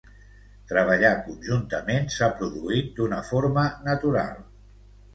Treballar conjuntament s’ha produït d’una forma natural.